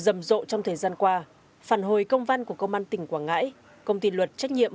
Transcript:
rầm rộ trong thời gian qua phản hồi công văn của công an tỉnh quảng ngãi công ty luật trách nhiệm